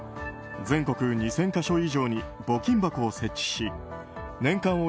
全国２０００か所以上に募金箱を設置し年間